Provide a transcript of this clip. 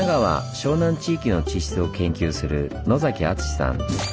湘南地域の地質を研究する野崎篤さん。